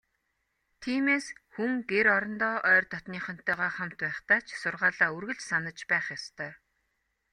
Тиймээс, хүн гэр орондоо ойр дотнынхонтойгоо хамт байхдаа ч сургаалаа үргэлж санаж байх ёстой.